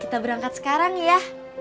kita berangkat sekarang ya